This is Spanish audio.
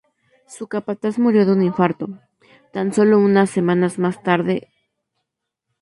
Su capataz murió de un infarto, tan sólo unas semanas más tarde.